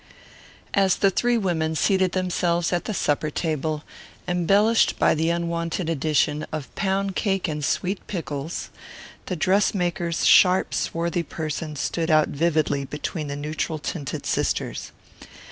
As the three women seated themselves at the supper table, embellished by the unwonted addition of pound cake and sweet pickles, the dress maker's sharp swarthy person stood out vividly between the neutral tinted sisters.